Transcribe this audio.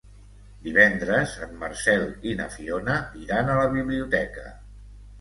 Divendres en Marcel i na Fiona iran a la biblioteca.